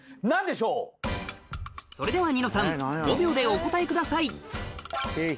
それではニノさん５秒でお答えください景品。